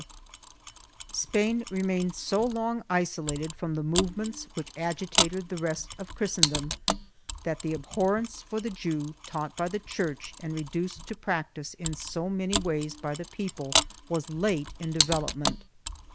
84 THE JEWS AND THE CON VERSOS [BOOK I Spain remained so long isolated from the movements which agitated the rest of Christendom that the abhorrence for the Jew, taught by the Church and reduced to practice in so many ways by the people, was late in development.